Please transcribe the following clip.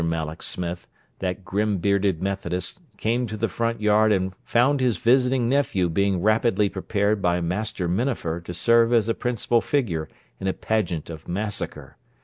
Malloch Smith, that grim bearded Methodist, came to the front yard and found his visiting nephew being rapidly prepared by Master Minafer to serve as a principal figure in a pageant of massacre.